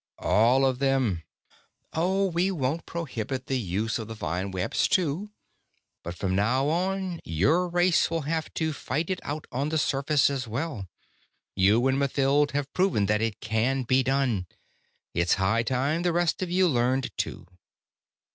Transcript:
"All of them. Oh, we won't prohibit the use of the vine webs too, but from now on your race will have to fight it out on the surface as well. You and Mathild have proven that it can be done. It's high time the rest of you learned, too."